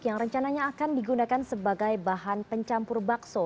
yang rencananya akan digunakan sebagai bahan pencampur bakso